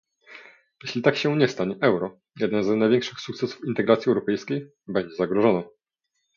Jeśli tak się nie stanie, euro, jeden z największych sukcesów integracji europejskiej, będzie zagrożone